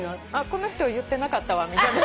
この人言ってなかったわみたいな。